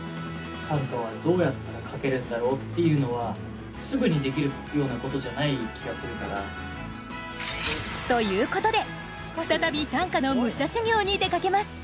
っていうのはすぐにできるようなことじゃない気がするから。ということで再び短歌の武者修行に出かけます。